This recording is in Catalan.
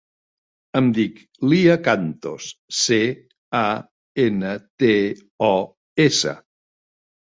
Em dic Lya Cantos: ce, a, ena, te, o, essa.